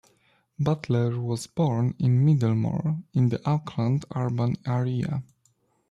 Butler was born in Middlemore in the Auckland urban area.